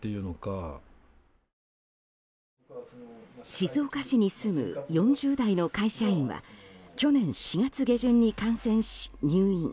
静岡市に住む４０代の会社員は去年４月下旬に感染し入院。